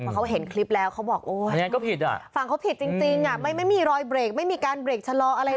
เพราะเขาเห็นคลิปแล้วเขาบอกว่าฝั่งเขาผิดจริงไม่มีรอยเบรกไม่มีการเบรกชะลออะไรเลย